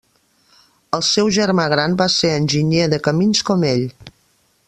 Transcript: El seu germà gran va ser enginyer de camins com ell.